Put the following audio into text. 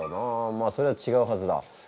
まそれはちがうはずだ。